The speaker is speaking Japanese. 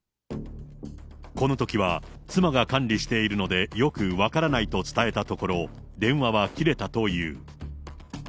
このときは、妻が管理しているのでよく分からないと伝えたところ、電話は切れたという。